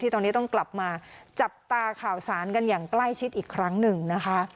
ตอนนี้ต้องกลับมาจับตาข่าวสารกันอย่างใกล้ชิดอีกครั้งหนึ่งนะคะ